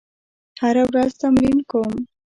هره ورځ تمرین کوم.